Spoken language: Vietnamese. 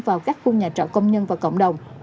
vào các khu nhà trọ công nhân và cộng đồng